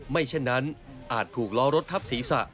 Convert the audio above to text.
เช่นนั้นอาจถูกล้อรถทับศีรษะ